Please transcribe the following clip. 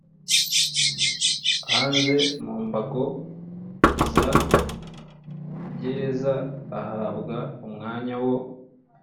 hanze mu mbago za gereza Ahabwa umwanya wo